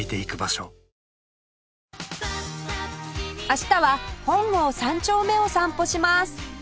明日は本郷三丁目を散歩します